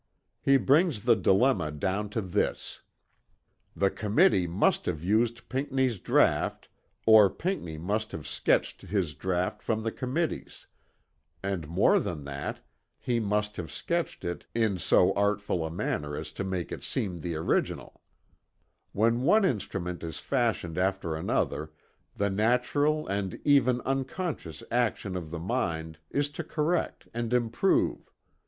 He brings the dilemma down to this: The Committee must have used Pinckney's draught or Pinckney must have sketched his draught from the Committee's; and more than that, he must have sketched it "in so artful a manner as to make it seem the original." When one instrument is fashioned after another the natural and even unconscious action of the mind is to correct and improve.